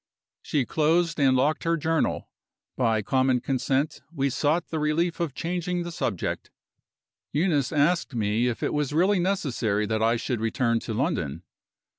She closed and locked her Journal. By common consent we sought the relief of changing the subject. Eunice asked me if it was really necessary that I should return to London.